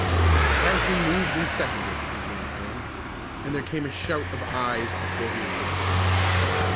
"It has been moved and seconded," began Hiram, and there came a shout of "ayes" before he had finished.